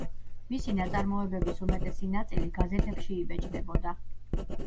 მისი ნაწარმოებების უმეტესი ნაწილი გაზეთებში იბეჭდებოდა.